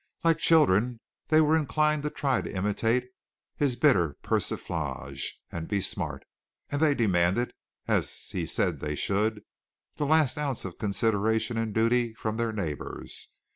Like children, they were inclined to try to imitate his bitter persiflage and be smart; and they demanded, as he said they should, the last ounce of consideration and duty from their neighbors.